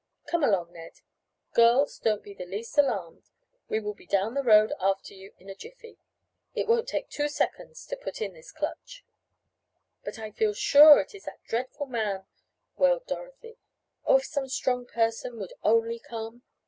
Come along, Ned. Girls, don't be the least alarmed. We will be down the road after you in a jiffy. It won't take two seconds to put in this clutch." "But I feel sure it is that dreadful man," wailed Dorothy. "Oh, if some strong person would only come!"